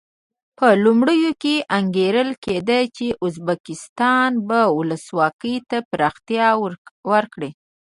په لومړیو کې انګېرل کېده چې ازبکستان به ولسواکي ته پراختیا ورکړي.